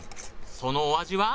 そのお味は？